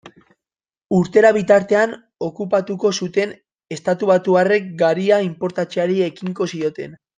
Urtera bitartean okupatuko zuten estatubatuarrek garia inportatzeari ekingo zioten.